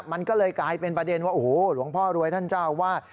มันก็เลยกลายเป็นประเด็นว่าโอ้โหหลวงพ่อรวยท่านเจ้าวาด